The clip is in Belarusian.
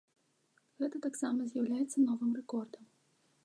Гэта таксама з'яўляецца новым рэкордам.